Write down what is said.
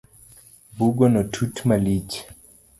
Bugono tut malich